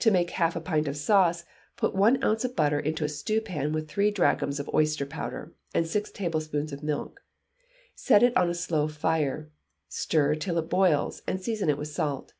To make half a pint of sauce, put one ounce of butter into a stewpan with three drachms of oyster powder, and six tablespoonfuls of milk; set it on a slow fire, stir it till it boils, and season it with salt.